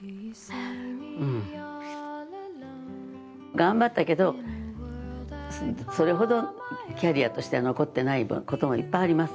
頑張ったけどそれほどキャリアとしては残ってないこともいっぱいあります。